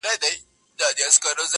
ته پیسې کټه خو دا فکرونه مکړه،